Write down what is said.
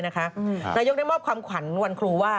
นายกได้มอบความขวัญวันครูว่า